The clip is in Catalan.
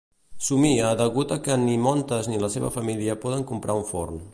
Somia degut a que ni Montes ni la seva família poden comprar un forn.